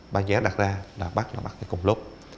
bạn nhé đặt ra là bắt là bắt ở cùng lúc